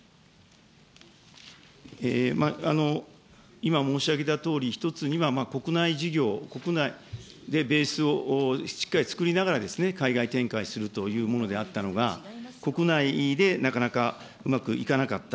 今、申し上げたとおり、１つには国内事業、国内でベースをしっかり作りながら、海外展開するというものであったのが、国内でなかなかうまくいかなかった。